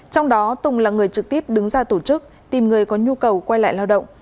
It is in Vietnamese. trong đó tùng là người trực tiếp đứng ra tổ chức tìm người có nhu cầu quay lại lao động